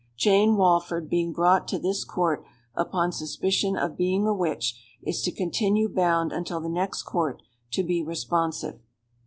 "Jane Walford being brought to this court upon suspicion of being a witch, is to continue bound until the next court, to be responsive.